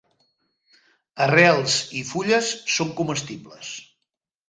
Arrels i fulles són comestibles.